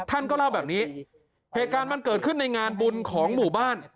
ท่านก็เล่าแบบนี้เหตุการณ์มันเกิดขึ้นในงานบุญของหมู่บ้าน